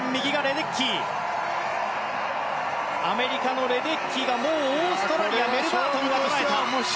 アメリカのレデッキーがオーストラリアのメルバートンを捉えた。